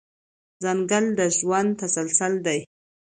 ځنګل د ژوند تسلسل دی.